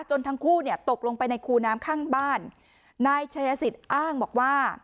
ทั้งคู่เนี่ยตกลงไปในคูน้ำข้างบ้านนายชายสิทธิ์อ้างบอกว่า